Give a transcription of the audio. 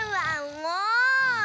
もう！